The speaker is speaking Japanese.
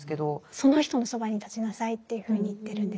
その人のそばに立ちなさいというふうに言ってるんです。